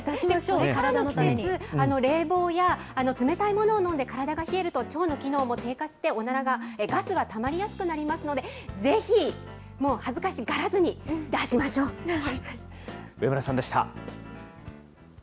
これからの季節、冷房や冷たいものを飲んで、体が冷えると、腸の機能も低下して、おならが、ガスがたまりやすくなりますので、ぜひもう恥ずか上村さんでした。